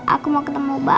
aku mau ketemu bapak